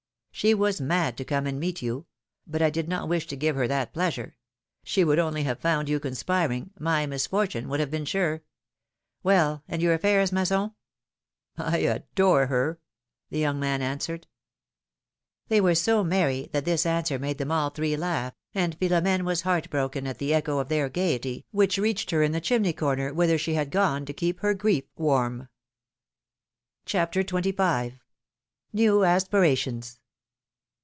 She was mad to come and meet you ; but I did not wish to give her that pleasure; she would only have found you conspiring; my misfortune would have been sure. Well ! and your affairs, Masson?" I adore her !" the young man answered. They were so merry that this answer made them all three laugh, and Philomene was heartbroken at the echo of their gayety, which reached her in the chimney corner whither she had gone to keep her grief warm. 194 PHILOMI:NE's MARRIAaSS. CHAPTER XXV. NEW ASPIRATIONS.